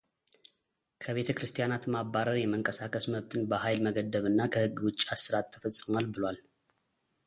ከቤተ ክርስቲያናት ማባረር የመንቀሳቀስ መብትን በኃይል መገደብ እና ከሕግ ውጪ እስራት ተፈጽሟል ብሏል።